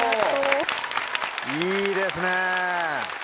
いいですね。